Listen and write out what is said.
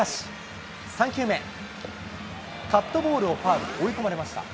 カットボールをファウル、追い込まれました。